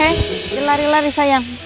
hei hei hei lari lari sayang